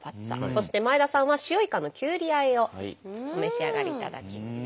そして前田さんは塩いかのきゅうりあえをお召し上がりいただきます。